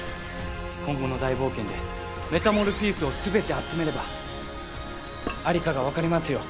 今後の大冒険でメタモルピースをすべて集めればありかがわかりますよ。